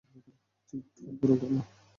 চিৎকার করো না।